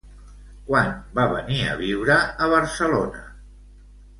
Quan va venir a viure a Barcelona?